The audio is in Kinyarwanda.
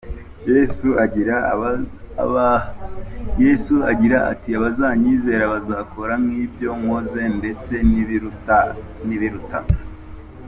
Yesu agira ati abazanyizera bazakora nk’ibyo nkoze ndetse n’ibibiruta” Yoh.